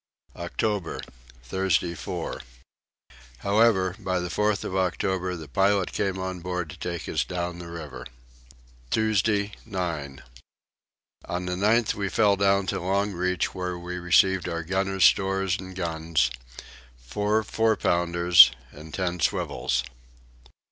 October. Thursday 4. However by the 4th of October the pilot came on board to take us down the river. Tuesday 9. On the 9th we fell down to Long Reach where we received our gunner's stores and guns, four four pounders and ten swivels.